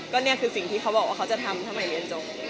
ก็นี่คือสิ่งที่เขาบอกว่าเขาจะทำทำไมเรียนจบ